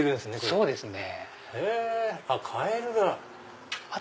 そうですね。